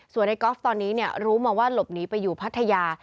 ส่วนในกอล์ฟตอนนี้รู้มาว่าหลบหนีไปอยู่พัทยา